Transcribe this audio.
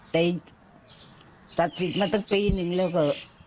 แต่ตัดสิทธิ์มาตั้งปีหนึ่งแล้วก็